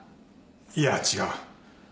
いや違う。